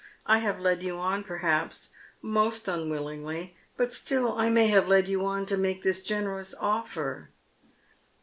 I have led you on perhaps, most unwillingly, but still I may have led you on to make this generous offer."